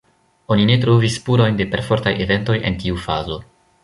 Oni ne trovis spurojn de perfortaj eventoj en tiu fazo.